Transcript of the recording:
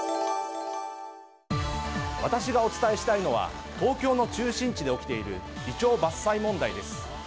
私がお伝えしたいのは東京の中心地で起きているイチョウ伐採問題です。